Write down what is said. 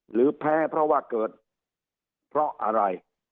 หรือแพ้เพราะว่าเกิดเพราะอะไร